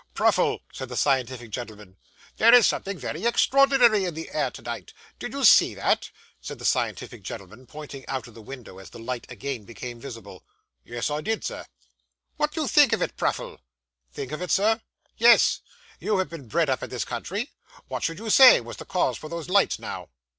'Pruffle,' said the scientific gentleman, 'there is something very extraordinary in the air to night? Did you see that?' said the scientific gentleman, pointing out of the window, as the light again became visible. 'Yes, I did, Sir.' 'What do you think of it, Pruffle?' 'Think of it, Sir?' 'Yes. You have been bred up in this country. What should you say was the cause for those lights, now?